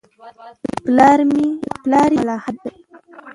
پلار یې ملحد دی.